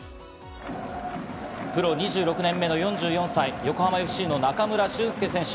プロ２６年目の４４歳、横浜ＦＣの中村俊輔選手。